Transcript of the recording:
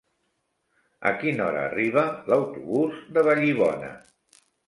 A quina hora arriba l'autobús de Vallibona?